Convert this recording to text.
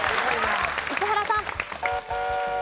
石原さん。